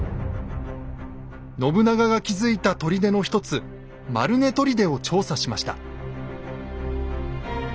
信長が築いた砦の一つ「丸根砦」を調査しました。